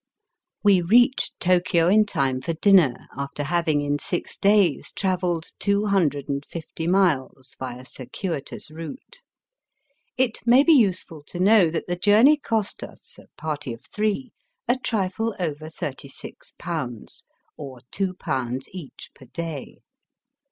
We reached Tokio in time for dinner, after having in six days travelled two hundred and fifty miles by a circuitous route. It may be useful to know that the journey cost us, a party of three, a trifle over JE36, or &2 each per day.